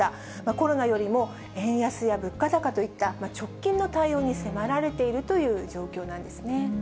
コロナよりも、円安や物価高といった、直近の対応に迫られているという状況なんですね。